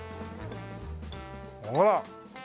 ほら。